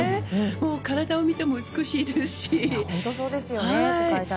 体を見ても美しいですし。